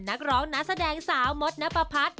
นักร้องนักแสดงสาวมดนปะพัด